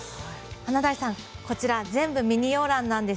華大さん、こちら全部ミニ洋ランなんです。